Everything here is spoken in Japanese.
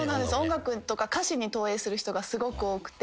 音楽とか歌詞に投影する人がすごく多くて。